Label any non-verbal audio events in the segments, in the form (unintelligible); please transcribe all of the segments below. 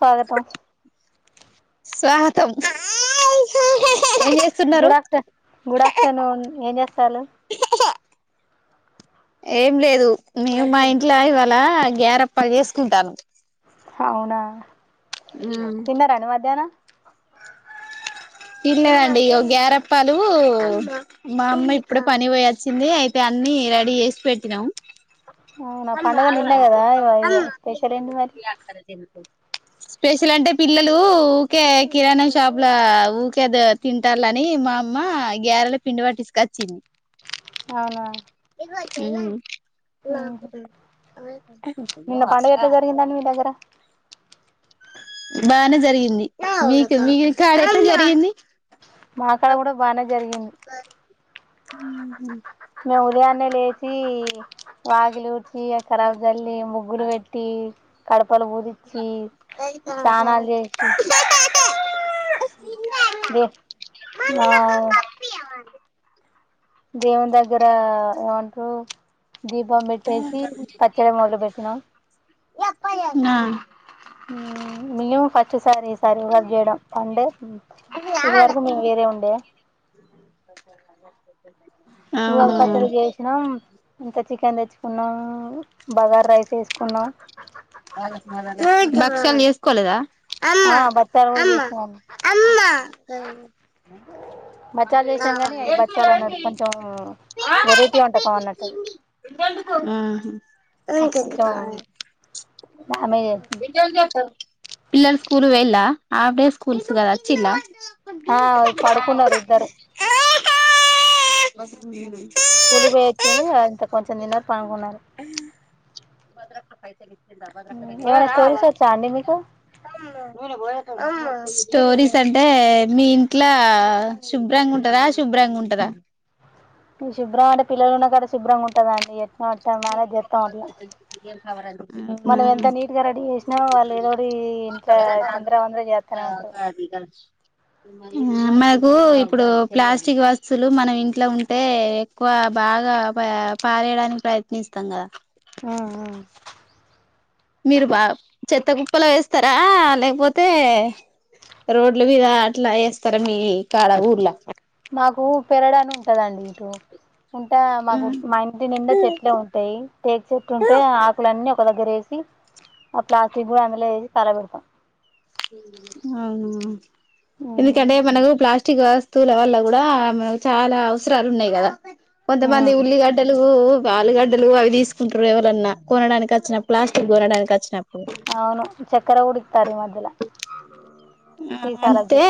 స్వాగతం స్వాగతం ఏం చేస్తున్నారు గుడ్ ఆఫ్టర్నూ గుడ్ ఆఫ్టర్నూన్ ఏం చేస్తాల్లు ఏం లేదు నేను మా ఇంట్లో ఇవాళ గేారప్పలు చేసుకుంటాన్నం అవునా తిన్న అండి మధ్యానం ఇల్లేదండి ఇ గ్యారప్పాలు మా అమ్మ ఇప్పుడే పని పోయచ్చింది అయితే అన్ని రెడీ చేసి పెట్టినాము అవునా మ్ పండగ నిన్న కదా ఇవ ఇవ స్పెషల్ ఏంటి మరి స్పెషల్ అంటే పిల్లలు ఊకే కిరాణా షాప్ లో ఊకే తింటారుని మా అమ్మ గ్యారెల పిండి పటి తీసుకొచ్చింది అవునా ఏలా ఉహు. నిన్న పండుగ ఎట్లా జరిగిందండి మీ దగ్గర బానే జరిగింది మీకు మీకుంకాడ ఎట్లా జరిగింది మాక్కడ కూడా బానే జరిగింది ఉ మేము ఉదయాన్నే లేచి వగిలి ఉటి అక్కరావల్లి ముగ్గుడు పెట్టి కడపలు పూదిచ్చి కా స్నానాలు చేసి దే మా ఓ దీపం పెట్టేసి పచ్చడి మొదలు పెట్టినాం అవునా మ ఫస్ సారి సరే వ చేయడం అంటే ఇది వరకు మేము వేరే ఉండే కూ ఆ పచ్చడి అవును చేసినాం ఇంత చికెన్ తెచ్చు కున్నాం బగార్ రైస్ వేసుకున్నాం భక్షాల వేస్కోలేదా అమ్మా ఆ బచ్చాలు కూడా అమ్మా చేసినాం అమ్మా బచ్చాలు చేసినాం కానీ అవి బచ్చాలు అన్నారు కొంచెం వెరైటీ వంటకం అన్నట్టు అది మ పిల్లర్ స్కూలు వెలా ఆబడే స్కూల్స్గా వచ్చలా ఆ పడుకున్నారు ఇద్దరు బస మీ మీను కూలి పోయొచ్చుని అంత కొంచెం తన్న పనుకుొన్నారు అయితే ఏమైనా స్టోరీస్ వచ్చా అండి మీకు స్టోరీస్ అంటే మీ ఇంట్లో శుభ్రంగా ఉంటారా శుభ్రంగా ఉంటారా ఈ శుభ్రం అంటే పిల్లలున్నా కడ శుభ్రంగా ఉంటుదండి ట్ట మనే చేస్తాం అట్లా అవునా మనం ఎంత నీట్గా రెడీ చేసినాో వాళ్ళు ఏదోటి ఇంత తందరా అందర చేస్తానే ఉంటారు మనకు ఇప్పుడు ప్లాస్టిక్ వస్తులు మనం ఇంట్లో ఉంటే ఎక్కువ బాగా పారేయడానికి ప్రయత్నిస్తాం కదా మీరు బా చెత్త కుప్పలు వేస్తారా లేపోతే రోడ్ల మీద అట్లా వేస్తారా మీ కాడ ఊర్లా హూ పెరడా అని ఉంటదండి ఇటుూ ఉంటే మాకు మా ఇంటి నిండే చెట్లే ఉంటాయి. టేక్ చెట్టు ఉంటే ఆకులన్నీ ఒక దగ్గర ఏ తి ఆ ప్లాస్టిక్ పో అందులో ఎస్తారా మిరప అవునా ఎందుకంటే మనకు ప్లాస్ట్ ష్టిగా వస్తువుల వల్ల కూడా మన చాలా అవసరాలు ఉన్నాయి కదా. కొంత మంది ఉల్లిగడ్డలు ఆలుగడ్డలు అవి తీసుకుంటారు ఎవరన్నా కొనడానికి వచ్చినా, ప్లాస్టిక్ కొనడానికి వచ్చిన అవును చక్కెర ఉడక్తార మొధ్యల ఆ అంతే కూడా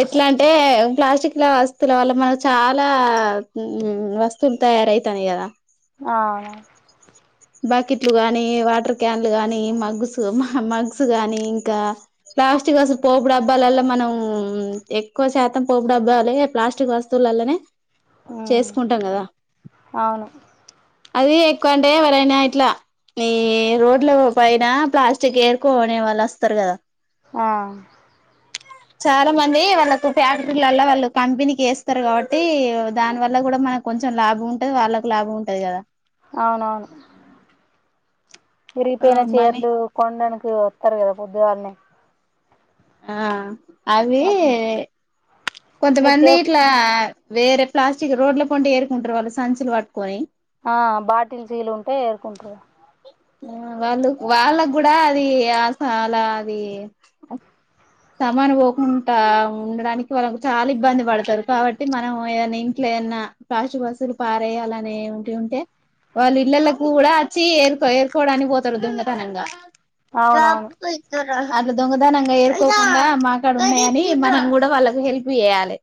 ఎట్లా అంటే ప్లాస్టిక్ల వస్తువుల వల్ల మనం చాలా ఉ వస్తువులు తయారవుతాయి కదా. ఆ బాకెట్లు గాని, వాటర్ క్యాన్లు గాని మగ్స్ హ మగ్స్ గానీ ఇంకా ప్లాస్టిక్ వస్తు పోపు డబ్బాలలో మనం ఎక్కువ శాతం పోపు డబ్బాలే ప్లాస్టిక్ వస్తువులలనే చేసుకుంటాం కదా అవును అవును అది ఎక్కువ అంటే ఎవరైనా ఇట్లా ఈ రోడ్ల పైన ప్లాస్టిక్ ఎరుకోనే వాళ్ళు వస్ వస్తారు కదా ఆ చాలా మంది వాళ్లకు ఫ్యాక్టరిలల్లో వాళ్ళు కంపెనీకి వేస్తారు కాబట్టి దాని వల్ల కూడా మనకు కొంచెం లాభం ఉంటది వాళ్ళకు లాభం ఉంటది కదా. అవునవును విరిగిపోయిన ఆ మనీ చీరలు కొండాన మీరు వస్తరు కదా ప్రొద్దుగాల్నే ఆ అవి మీరు కొంతమంది సేఫ్ ఇట్లా వేరే ప్లాస్టిక్ రోడ్ల కొంటే ఏరుకుంటారు వాళ్ళు సంచులు పట్టుకొని ఆ బాటిల్ చీలు ఉంటే ఏరుకుంటారు. వాళ్ళు వాళ్ళగూడ అది సాల అది సమాన పోకుండా ఉండడానికి వాళ్ళకు చాలా ఇబ్బంది పడతారు. కాబట్టి మనం ఏదైనా ఇంట్లో ఏదైనా కాశ బసులు పారేయాలని ఉండి ఉంటే వాళ్లు ఇళ్లలకి కూడా వచ్చి ఏర్కో ఏర్కోవడానికి పోతారు దొంగతనంగా అవునవును తప్ ఇధర్ అట్లా దొంగతనంగా ఏరు తుక (inaudible) మాకాడ ఉన్నాయని మనం కూడా వాళ్ళకి హెల్ప్ చేయ్యాలి.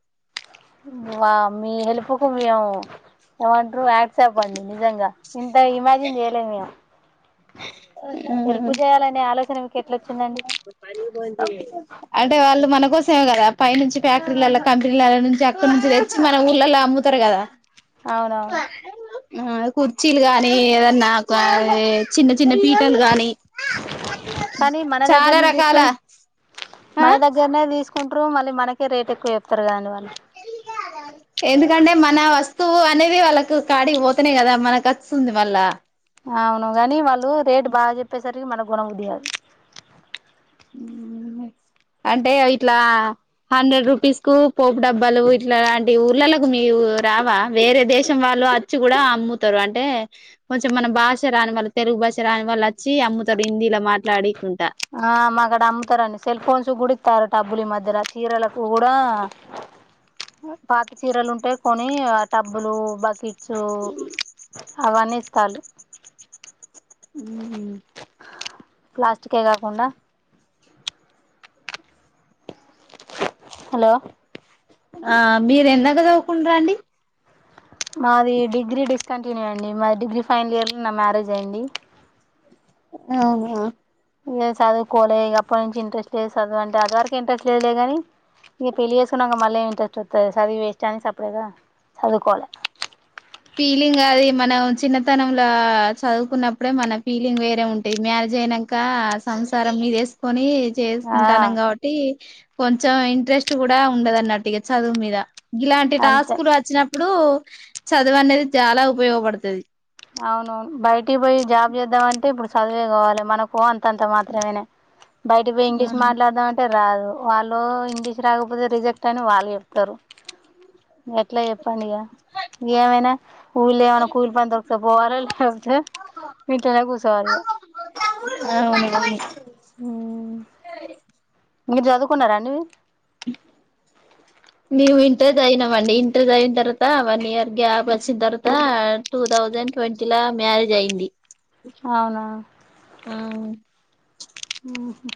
వావ్ మీ హెల్ప్ కు వ్యో ఏవన్ త్రు హాట్సాప్ అండి నిజంగా ఇంత ఇమాజిన్ చేయలేదు మేము హెల్ప్ చేయాలనే ఆలోచన మీకు ఎట్లా వచ్చిందండి ఉం అంటే వాళ్ళు మనకు చూసావు కదా పై నుంచి ఫ్యాక్టరీళ్ళల్ల కంపెనిళ్ళల్ల నుంచి అక్కడి నుంచి తెచ్చి మన ఊర్లల్లో అమ్ముతారు కదా అవునవును (inaudible) ఆహ అది కుర్చీలు గానీ ఏదన్నా కా దీ చిన్న చిన్న పీటలు గాని కానీ మన చాలా దగ్గరనే రకాల తీసుకొని ఆ కుంట్ట్రు మల్లా మనకే రేట్ ఎక్కవ చే త్రగా అండీ వాళ్లు కంటే మన వస్తువు అనేది వాళ్ళకు కాడికి పోతనే కదా మనకస్తుంది మళ్ళ అవును కాని వాళ్ళు రేటు బాగా చెప్పేసరికి మనగొణ బుద్ది గాదు ఉం అంటే అవి ఇట్లా హండ్రెడ్ రూపీస్ కు పోపు డబ్బాలు ఇట్లాలాంటి ఊర్లలకు మీరు రావా వేరే దేశం వాళ్ళు అచ్చి కూడా అమ్ముతారు అంటే కొంచెం మన భాష రాని వాళ్ళు తెలుగు భాష రాని వాళ్ళు అచ్చి అమ్ముతారు హిందీలో మాట్లాడి కుంట ఆ మాకడ అమ్ముతారండి సెల్ ఫోన్స్ కూడా ఇత్తారు టబ్బులు ఈ మధ్యల చీరలకు కూడా పాత చీరలు ఉంటే కొని ఆ టబ్బులు బకె సో అవన్ని ఇస్తళ్లు ఉ హుమ్ ప్లాస్టికే కాకుండా హలో ఆ మీరు ఎందాకా చదువుకుంటారు అండి మాది డిగ్రీ డిస్కంటిన్యూ అండి మా డిగ్రీ ఫైనల్ ఇయర్ లో నా మ్యారేజ్ అయ్యింది అవునా ఇంక చదువుకోలే ఇక అప్పటి నుంచి ఇంట్రెస్ట్ లేదు చదువు అంటే అదువారకె ఇంట్రెస్ట్ లేదులే గ నీ ఇగ పెళ్ళి చేసుకున్నంక మళ్లెం ఇంట్రెస్ట్ వస్తది చదివి వేస్ట్ అని సప్డేక చదువుకోవాలే ఫీలింగ్ అది మనం చిన్నతనంల చదువుకున్నప్పుడే మన ఫీలింగ్ వేరే ఉంటయ్ మ్యారేజ్ అయినంక సంసారం మీదేసుకొని ఆ చేసుకుంటానం కాబట్టి కొంచెం ఇంట్రెస్ట్ కూడా ఉండదు అన్నట్టుగా చదువు మీద గిలాంటి అంతే టాస్క్లు వచ్చినప్పుడు చదువు అనేది చాలా ఉపయోగపడుతది అవునవును బయటికి పోయి జాబ్ చేద్దామంటే ఇప్పుడు చదువే కావాలే మనకో అంతంత మాత్రమేనే బయటకి పోయి ఇంగ్లీష్ మాట్లాదామంటే రాదు వాల్లో ఇంగ్లీష్ రాకపోతే రిజెక్ట్ అని వాళ్ళు చెప్తారు ఎట్లా చె పండిగ ఏమైనా ఊళ్ళ ఏమైన్నా కూలి పని దొర సొ పోవర లేపుతే ఇంట్లనే కూసోవాలె ఇగ ఆవునవును ఉం మీరు చదువుకున్నారా అండి మేము ఇంటర్ సయినం అండి ఇంటర్ అయిన తర్వాత వన్ ఇయర్ గ్యాప్ వచ్చిన తర్వాత టూ థౌజండ్ ట్వంటీ ల మ్యారేజ్ అయింది అవునా ఆ ఊహూ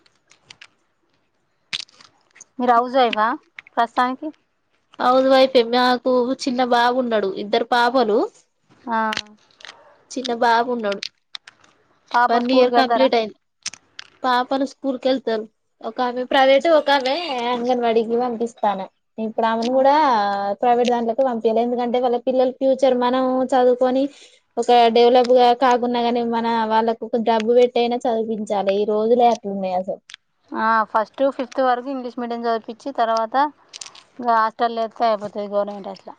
మీరు హౌజేగా ప్రస్తుతానికి హౌస్ వైఫే మాకు చిన్న బాబున్నాడు ఇద్దరు పాపలు ఆ చిన్న బాబు ఉన్నడు పాప వన్ ఇయర్ స్కూల్కి వెళ్తారా కంప్లీట్ అయింది పాపలు స్కూల్ కి వెళ్తారు ఒక ఆమె ప్రైవేటు ఒకామె అంగన్వాడీకి పంపిస్తాను. ఇప్పుడు ఆమెను కూడా ప్రైవేట్ దాంట్లోకి పంపియాలి ఎందుకంటే వాళ్ళ పిల్లలు ఫ్యూచర్ మనం చదువుకొని ఒక డెవలప్ గా కాకున్నా కాని మన వాళ్ళకు ఒక డబ్బు పెట్టి అయినా చదివిం చాలి ఈ రోజులే అట్లున్నాయి అసలు ఆ ఫస్ట్ ఫిఫ్త్ వరకు ఇంగ్లీష్ మీడియం చదివిపించి తర్వాత ఇగ హాస్టల్లో వేత్తే అయిపోతాది గవర్నమెంట్ అట్లా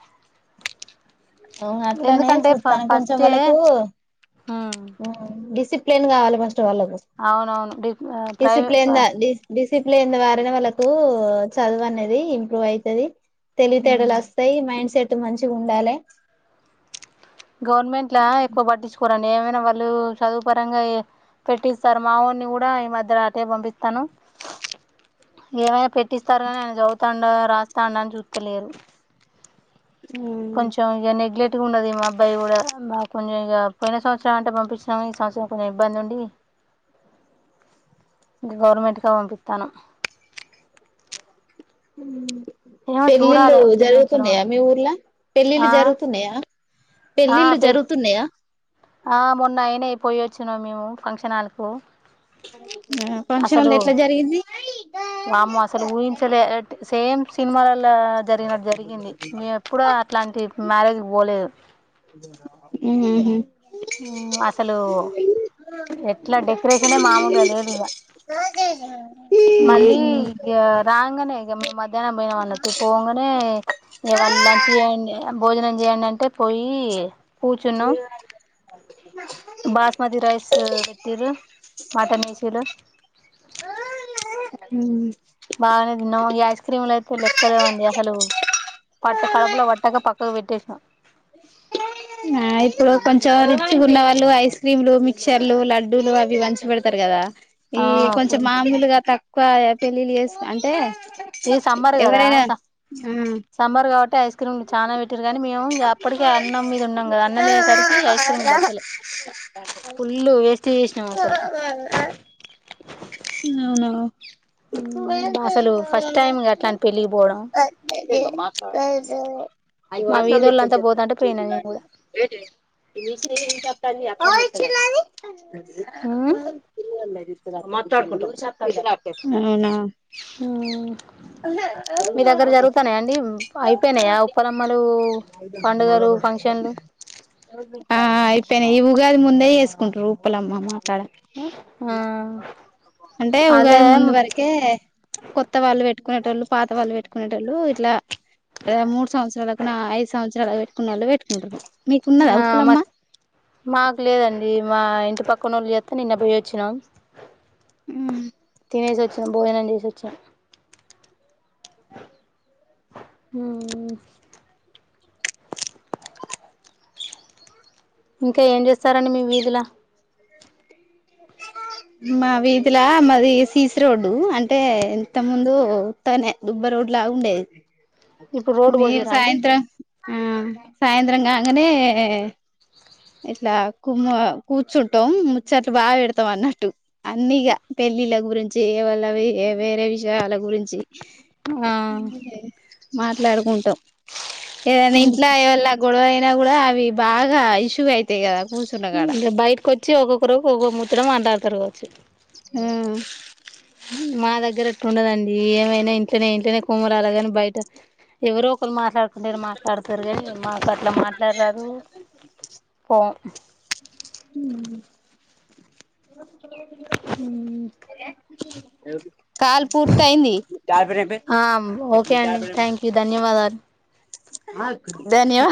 అ అట్లనే చూస్తాను కొంచెం వాళ్ళకు మ్మ్ డిసిప్ ప్లిన్ కావాల గా అవునవును డిఫ ప్రైవేప డిసిప్లిన్ డి డిసిప్లిన్ ద్వారానే వాళ్ళకు చదువనేది ఇంప్రూవ్ అయితది తెలివితేటలు మ్మ్ వస్తాయి మైండ్ సెట్ టు మంచిగా ఉండాలి గవర్నమెంట్ లా ఎక్కువ పట్టించుకోరండి. ఏమైనా వాళ్ళు చదువు పరంగా ఏ పెట్టిస్తారు. మా వోడిని కూడా ఈ మధ్యలో అటే పంపిస్తాను. ఏమైనా పెట్టిస్తారు కాని ఆయన చదువుతాండా రాస్తాండా అని చూస్తలేరు కొంచెం ఇక నెగ్లెక్ట్ గా ఉండది మా అబ్బాయి కూడా మా కొంచెం ఇక పోయిన సంవత్సరం అంటే పంపించినాము ఈ సంవత్సరం కొంచెం ఇబ్బంది ఉండి ఇంక గవర్నమెంట్ కే పంపిత్తానా హ్మ్ ఏమో పెళ్లిళ్లు చూడాలి వచ్చే సంవత్సరం జరుగుతున్నాయా మీ ఊర్ల పెళ్ళిళ్లు ఆ జరుగుతున్నయా ఆ పెళ్ళిళ్ళు పెళ్ జరుగుతున్నయా ఆ మొన్న అయినయ్ పోయివచ్చినం మేము ఫంక్షన్ హాల్ కు ఫంక్షన్ హాల్ అసలు ఎట్లా జరిగింది వామ్మో అసలు ఊహించలే సేమ్ సినిమాలలో జరిగినట్టు జరిగింది మేము ఎప్పుడూ అట్లాంటి మ్యారేజ్ కి పోలేదు ఊహూ అసలు ఎట్లా డెకరేషనే మామలుగా లేదు ఇక మళ్ళీ ఇ రాంగనే (unintelligible) మధ్యాహ్నం పోయిన వాళ్లకి పోంగనే ఇక వాళ్ళు లంచ్ చేయండి భోజనం చేయండి అంటే పోయి కూచున్నం బాస్మతి రైస్ పెట్టిరు మటన్ వేసిరు హ్మ్ బానే తిన్నాం ఈ ఐస్ క్రీమ్లు అయితే లెక్కలేనన్ని. అసలు పట్ట కడుపులో పట్టక పక్కకు పెట్టసాం ఆ ఇప్పుడు కొంచెం రిచ్ గా ఉన్న వాళ్ళు ఐస్ క్రీమ్లు మిక్చర్లు లడ్డూలు అవి పంచి పెడతరు కదా ఈ ఆ కొంచం ఫుల్ మామూలుగా తక్కు ఎక్కువ పెళ్ళిళ్ళ చేస్ అంటే ఇది సమ్మర్ కదా ఎవరైనా ఆ సమ్మర్ కాబట్టి టస్ క్రీమ్ చాలానా పెట్టరు కానీ మేము అప్పటికే అన్నం మీద ఉన్నాం కదా అన్నం తినేసరికి ఐస్ క్రీమ్ బట్టలే ఫుల్లు వేస్ట్ చేసినాము అసలు అవునా అసలు ఫస్ట్ టైం అట్లాంటి పెళ్ళికి పోవడం సో మా వీధోళ్ళంతా పోతుంటే పోయినా నేను కూడా ఐవలిచ్చుల్లది అ అవునా మీ దగ్గర జరుగుతానే అండి అయిపో పండుగలు ఫంక్షన్లు ఆ అయిపోయినయి అది ముందే చేసుకుంట్రు ఉప్పలమ్మ మాకాడ అంటే ఉగాది అదే ముందు వరకే కొత్త వాళ్ళు వెట్ పెట్టుకునేటోల్లు పాత వాళ్ళు వెట్టుకునేటోల్లు ఇట్లా అదే మూడు సంవత్సరాలకు నా ఐదు సంవత్సరాలకు వెట్టుకున్నోల్లే వెట్టుకుంట్రు ఆ మక్ మాకు లేదండి మా ఇంటి పక్ కొనోల్లు చెప్త్ నిన్న బోయోచిన్నం మ్మ్ తినేసి ఒచ్చినం భోజనం చేసొచ్చినం మ్మ్ మ్మ్ ఇంకా ఏం చేస్తారండి మీ వీధుల మా వీధిలా మాది సీసి రోడ్డు అంటే ఇంత ముందు ఉత్తగనే దుబ్బ రోడ్డులాగ ఉండేది ఇప్పుడు రోడ్డు మీరు పోసిరా అండి సాయంత్రం ఆ సాయంత్రంకాంగనే ఇట్లా కుమ్మ కూర్చుంటాం ముచ్చట్లు బాగా పెడతాం అన్నట్టు అన్ని ఇగా పెళ్ళిళ్ళ గురించి వాళ్ళవి వేరే విషయాల గురించి ఆ మాట్లాడుకుంటాం ఏవాన్నా ఇంట్లో ఇవళ గొడవ అయినా కూడా అవి బాగా ద ఆయుష్ త్తుగైతై కద బైటికొచ్చి ఒక్కొక్కరు ఒక్కో ముచ్చట మాట్లాడతారు చ్ మ్మ్ మా దగ్గర అట్లుండదండి ఏమైనా ఇంట్లనే ఇంట్లనే కుములాలె కాని బయట ఎవరో ఒకరు మా మాట్లాడుకునేటోల్లు మాట్లాడుతరు కని మాకు అట్ల మాట్లాడరాదు పోము అ (inaudible) మ్మ్ కాల్ పూర్థైంది ఆ ఓకే అండి థ్యాంక్ యూ ధన్యవాదాలు ధన్యవా